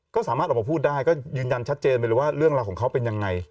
ก็สามารถออกมาพูดได้ก็ยืนยันชัดเจนไปเลยว่าเรื่องราวของเขาเป็นยังไง